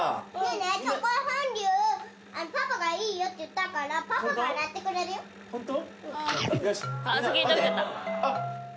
えチョコフォンデュパパがいいよって言ったからパパが洗ってくれるよホント？